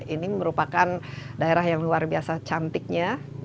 ini merupakan daerah yang luar biasa cantiknya